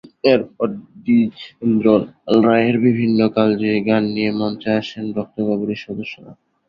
এরপর দ্বিজেন্দ্রলাল রায়ের বিভিন্ন কালজয়ী গান নিয়ে মঞ্চে আসেন রক্তকরবীর সদস্যরা।